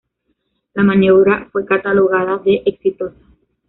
La maniobra fue catalogada de exitosa.